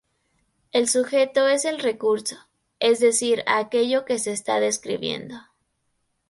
El sujeto es el recurso, es decir aquello que se está describiendo.